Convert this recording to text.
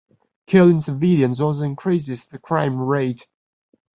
Killing civilians also increases the crime rate.